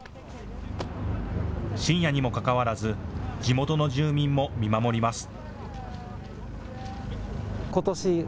深夜にもかかわらず地元の住民も見守ります。